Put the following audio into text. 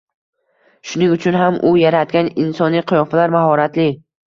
Shuning uchun ham u yaratgan insoniy qiyofalar mahoratli.